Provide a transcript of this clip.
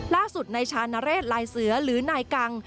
ล่าสุดนายชานเรศลายเสือหรือนายกัง